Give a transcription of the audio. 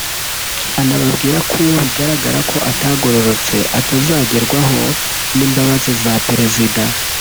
anababwira ko uwo bizagaragara ko atagororotse atazagerwaho n’imbabazi za Perezida